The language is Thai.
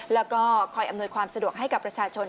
แล้วก็คอยอำนวยความสะดวกให้กับประชาชน